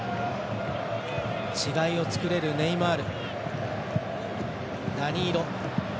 時代を作れるネイマール。